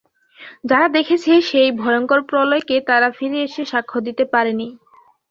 যারা দেখেছে সেই ভয়ংকর প্রলয়কে, তারা ফিরে এসে সাক্ষ্য দিতে পারেনি।